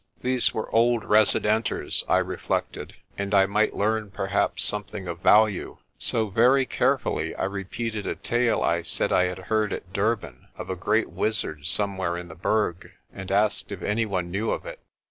These were old residenters, I reflected, and I might learn perhaps some thing of value. So very carefully I repeated a tale I said I had heard at Durban of a great wizard somewhere in the Berg, and asked if any one knew of it.